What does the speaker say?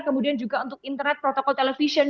kemudian juga untuk internet protokol television